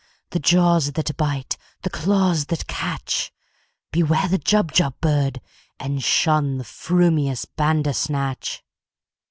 The jaws that bite, the claws that catch! Beware the Jubjub bird, and shunThe frumious Bandersnatch!"